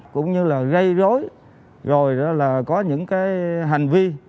cũng như là gây rối rồi có những hành vi